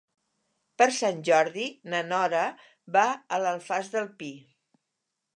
Per Sant Jordi na Nora va a l'Alfàs del Pi.